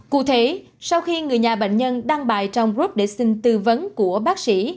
cụ thể sau khi người nhà bệnh nhân đăng bài trong group để xin tư vấn của bác sĩ